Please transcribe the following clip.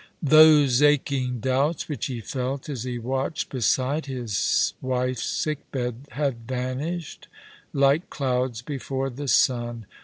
Those aching doubts which he felt as he watched beside his wife's sick bed had vanished like clouds before the sun.